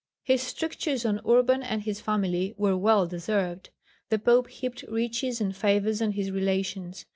His strictures on Urban and his family were well deserved. The Pope heaped riches and favours on his relations.